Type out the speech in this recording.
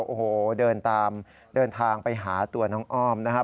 โอ้โหเดินทางไปหาตัวน้องอ้อมนะครับ